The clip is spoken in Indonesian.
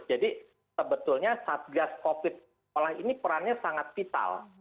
jadi sebetulnya satgas covid sekolah ini perannya sangat vital